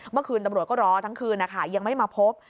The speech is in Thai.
เมื่อคืนตำรวจก็รอทั้งคืนนะคะยังไม่มาพบ